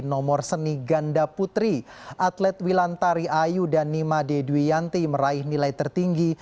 nomor seni ganda putri atlet wilantari ayu dan nima de dwi yanti meraih nilai tertinggi